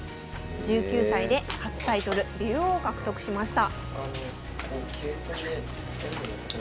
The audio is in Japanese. １９歳で初タイトル竜王獲得しました。